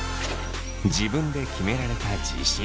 自分で決められた自信。